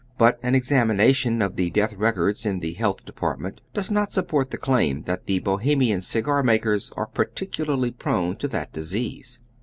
But an examination of the death records in the Health Depart ment does not support the claim that the Bohemian cigar makers are peculiarly prone to that disease.